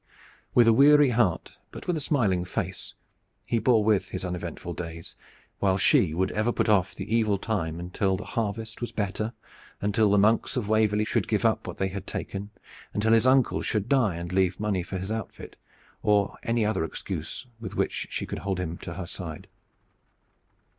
With a weary heart, but with a smiling face, he bore with his uneventful days, while she would ever put off the evil time until the harvest was better, until the monks of Waverley should give up what they had taken, until his uncle should die and leave money for his outfit, or any other excuse with which she could hold him to her side.